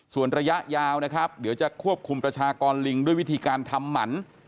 ส่วนระยะยาวนะครับเดี๋ยวจะควบคุมประชากรลิงด้วยวิธีการทำหมัน